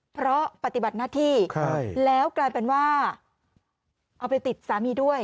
เพราะปฏิบัติหน้าที่แล้วกลายเป็นว่าเอาไปติดสามีด้วย